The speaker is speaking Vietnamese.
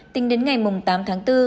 tính đến ngày tám tháng bốn